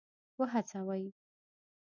وهڅوي.